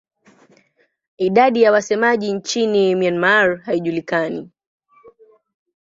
Idadi ya wasemaji nchini Myanmar haijulikani.